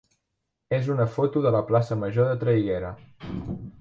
és una foto de la plaça major de Traiguera.